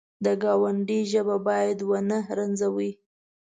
د ګاونډي ژبه باید ونه رنځوي